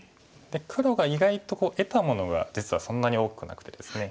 黒が意外と得たものが実はそんなに多くなくてですね。